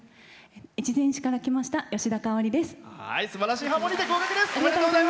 越前市から来ましたよしだです。